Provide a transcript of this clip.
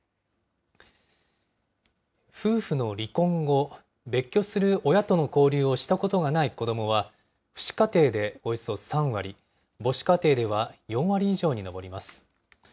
夫婦の離婚後、別居する親との交流をしたことがない子どもは、父子家庭でおよそ３割、母子家庭では４割以上に上ります。